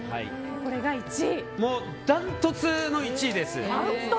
これがダントツの１位です。